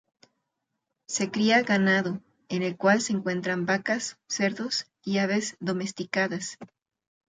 Se cría ganado, en el cual se encuentran vacas, cerdos y aves domesticadas.